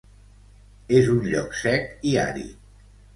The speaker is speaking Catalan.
És un lloc sec i àrid.